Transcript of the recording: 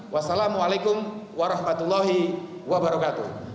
wassalamualaikum warahmatullahi wabarakatuh